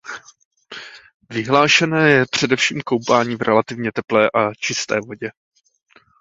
Vyhlášené je především koupání v relativně teplé a čisté vodě.